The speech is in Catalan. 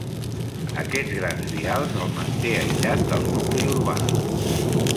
Aquests grans vials el manté aïllat del nucli urbà.